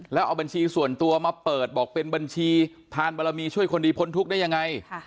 แล้วเอาบัญชีส่วนตัวมาเปิดบอกเป็นบัญชีทานบารมีช่วยคนดีพ้นทุกข์ได้ยังไง